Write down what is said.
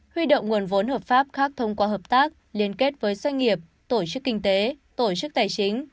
huy động nguồn vốn hợp pháp khác thông qua hợp tác liên kết với doanh nghiệp tổ chức kinh tế tổ chức tài chính